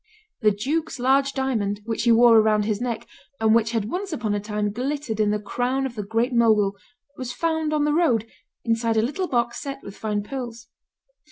The duke's large diamond which he wore round his neck, and which had once upon a time glittered in the crown of the Great Mogul, was found on the road, inside a little box set with fine pearls.